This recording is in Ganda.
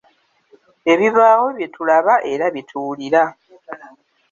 Ebibawo, bye tulaba era bye tuwulira.